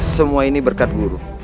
semua ini berkat guru